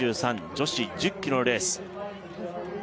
女子１０ｋｍのレース